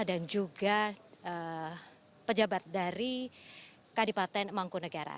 dan juga pejabat dari kadipaten mangku negara